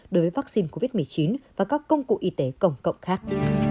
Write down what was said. đối với vaccine covid một mươi chín và các công cụ y tế công cộng khác